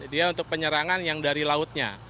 dia untuk penyerangan yang dari lautnya